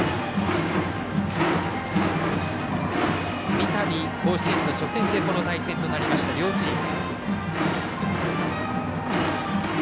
三度、甲子園の初戦で対戦となった両チーム。